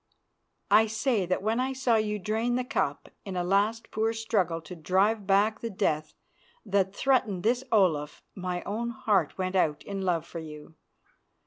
I say that when I saw you drain the cup in a last poor struggle to drive back the death that threatened this Olaf my own heart went out in love for you.